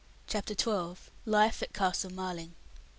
CHAPTER XII. LIFE AT CASTLE MARLING.